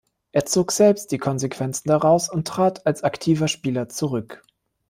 Er zog selbst die Konsequenzen daraus und trat als aktiver Spieler zurück.